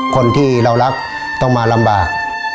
คนที่เรารักต้องมาลำบาก